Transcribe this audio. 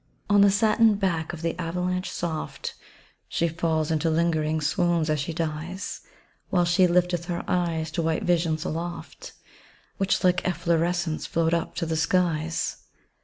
On the satin back of the avalanche soft, She falls into lingering swoons, as she dies, While she lifteth her eyes to white visions aloft, Which like efflorescence float up to the skies.